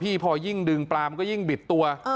พอยิ่งดึงปลามันก็ยิ่งบิดตัว